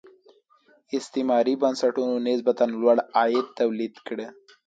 استثماري بنسټونو نسبتا لوړ عواید تولید کړي.